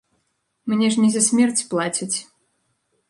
Мне ж не за смерць плацяць.